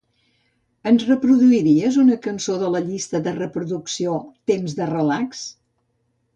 Ens reproduiries una cançó de la llista de reproducció "temps de relax"?